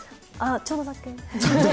ちょっとだけ。